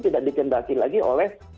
tidak dikendaki lagi oleh